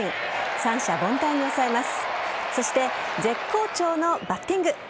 三者凡退に抑えます。